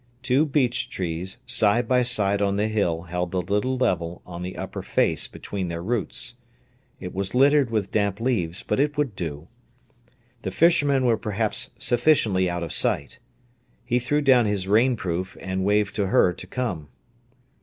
Two beech trees side by side on the hill held a little level on the upper face between their roots. It was littered with damp leaves, but it would do. The fishermen were perhaps sufficiently out of sight. He threw down his rainproof and waved to her to come.